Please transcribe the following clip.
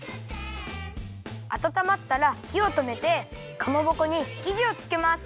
あたたまったらひをとめてかまぼこにきじをつけます。